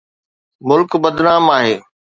ملڪ بدنام آهي.